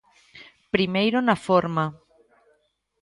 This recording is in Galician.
Primeiro na forma.